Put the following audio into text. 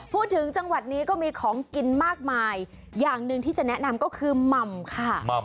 พูดถึงจังหวัดนี้ก็มีของกินมากมายอย่างหนึ่งที่จะแนะนำก็คือหม่ำค่ะ